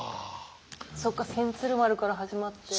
そっか千鶴丸から始まって。